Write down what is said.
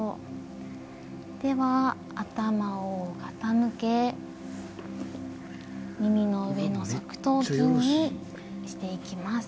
では、頭を傾け耳の上の側頭筋を押していきます。